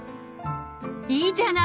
いいじゃない！